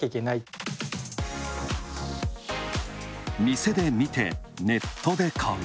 店で見てネットで買う。